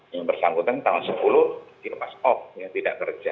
yang bersangkutan tahun sepuluh di lepas off yang tidak kerja